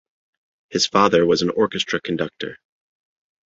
His father was an orchestra conductor.